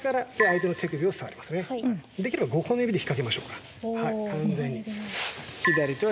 できれば５本の指でひっかけましょうか完全に。